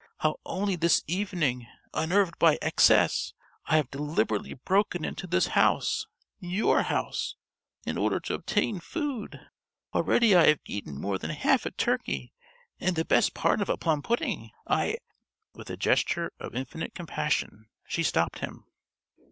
How only this evening, unnerved by excess, I have deliberately broken into this house your house in order to obtain food. Already I have eaten more than half a turkey and the best part of a plum pudding. I " With a gesture of infinite compassion she stopped him.